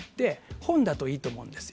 本だといいと思うんですよ。